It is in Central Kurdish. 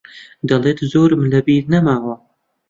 دەڵێت زۆرم لەبیر نەماوە.